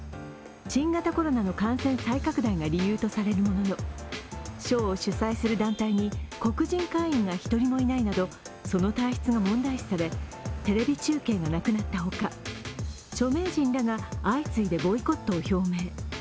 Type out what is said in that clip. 新型コロナの感染再拡大が理由とれさるものの賞を主催する団体に黒人会員が１人もいないなどその体質が問題視されテレビ中継がなくなったほか著名人らが相次いでボイコットを表明。